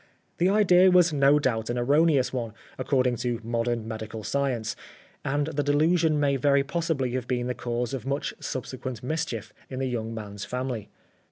The idea was no doubt an erroneous one, according to modern medical science, and the delusion may very possibly have been the cause of much subsequent mischief in the young man's family.